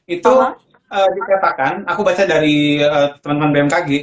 itu dikatakan aku baca dari temen temen bmkg